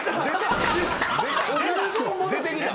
出てきた？